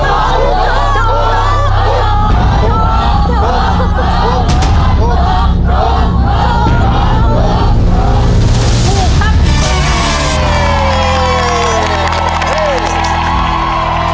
ถูกครับ